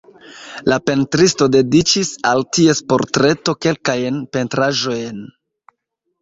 La pentristo dediĉis al ties portreto kelkajn pentraĵojn.